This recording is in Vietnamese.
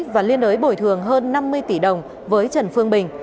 và liên đối bồi thường hơn năm mươi tỷ đồng với trần phương bình